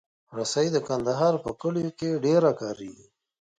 رسۍ د کندهار په کلیو کې ډېره کارېږي.